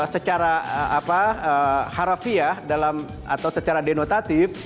secara harafiah dalam atau secara denotatif